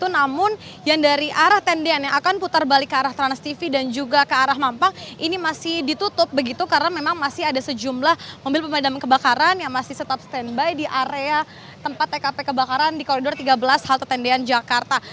namun yang dari arah tendian yang akan putar balik ke arah transtv dan juga ke arah mampang ini masih ditutup begitu karena memang masih ada sejumlah mobil pemadam kebakaran yang masih tetap standby di area tempat tkp kebakaran di koridor tiga belas halte tendian jakarta